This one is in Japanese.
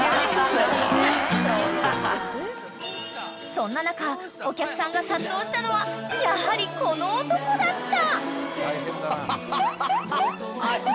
［そんな中お客さんが殺到したのはやはりこの男だった］